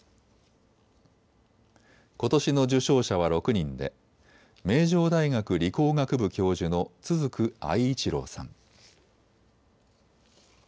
ことしの受賞者は６人で名城大学理工学部教授の都竹愛一郎さん。